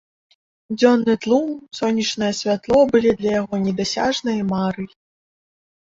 Дзённы тлум, сонечнае святло былі для яго недасяжнай марай.